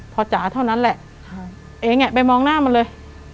พอจ๋าเท่านั้นแหละเองไปมองหน้ามันเลย